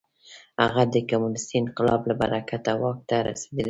هغه د کمونېستي انقلاب له برکته واک ته رسېدلی و.